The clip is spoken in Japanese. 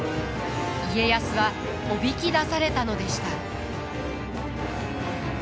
家康はおびき出されたのでした。